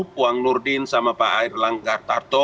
puang nurdin sama pak air langgartarto